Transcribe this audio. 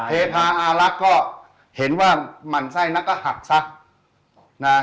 เทพาอารักษ์ก็เห็นว่าหมั่นไส้นักก็หักซักนะ